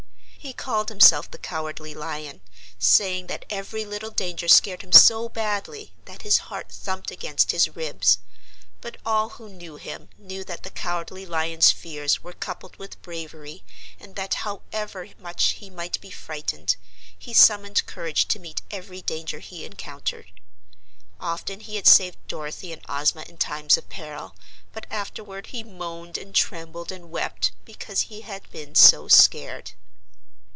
He called himself the Cowardly Lion, saying that every little danger scared him so badly that his heart thumped against his ribs, but all who knew him knew that the Cowardly Lion's fears were coupled with bravery and that however much he might be frightened he summoned courage to meet every danger he encountered. Often he had saved Dorothy and Ozma in times of peril, but afterward he moaned and trembled and wept because he had been so scared.